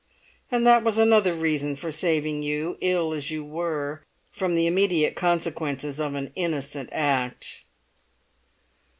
And that was another reason for saving you, ill as you were, from the immediate consequences of an innocent act."